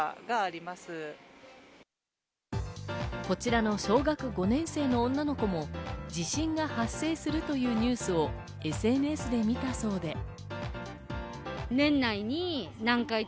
こちらの小学５年生の女の子も地震が発生するというニュースをＳＮＳで見たそうで。